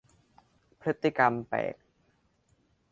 พฤติกรรมแปลก